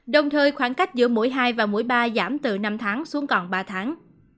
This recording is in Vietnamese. đồng thời khoảng cách giữa mũi hai và mũi ba giảm từ năm tháng xuống còn ba tháng